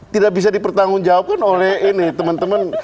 tidak bisa dipertanggungjawabkan oleh ini teman teman